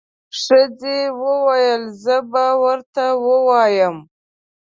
ښځې وويل زه به ورته ووایم.